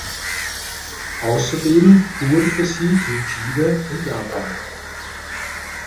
Außerdem tourte sie in Chile und Japan.